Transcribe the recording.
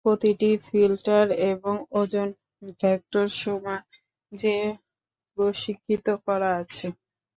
প্রতিটি ফিল্টার একটি ওজন ভেক্টর সমান যে প্রশিক্ষিত করা আছে।